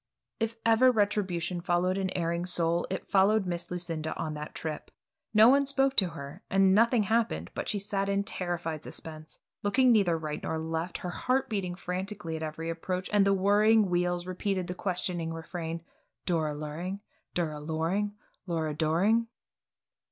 If ever retribution followed an erring soul, it followed Miss Lucinda on that trip. No one spoke to her, and nothing happened, but she sat in terrified suspense, looking neither to right nor left, her heart beating frantically at every approach, and the whirring wheels repeating the questioning refrain, "Dora Luring? Dura Loring? Lura Doring?"